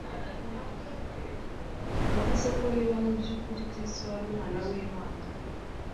Yavuze ko niba mu by’ukuri Kristo yari Umwana w’Imana,